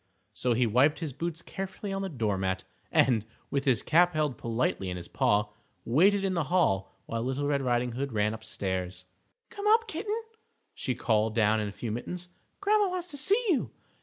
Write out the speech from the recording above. So he wiped his boots carefully on the doormat, and, with his cap held politely in his paw, waited in the hall while Little Red Riding Hood ran upstairs. "Come up, Kitten," she called down in a few minutes; "Grandma, wants to see you.